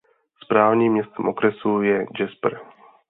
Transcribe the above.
Správním městem okresu je Jasper.